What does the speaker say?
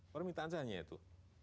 permintaan saya hanya itu